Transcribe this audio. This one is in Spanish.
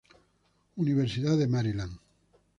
University of Maryland.